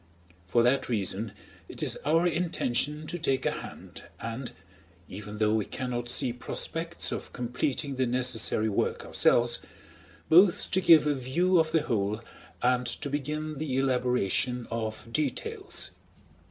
For that reason it is our intention to take a hand, and, even though we cannot see prospects of completing the necessary work ourselves, both to give a view of the whole and to begin the elaboration of details.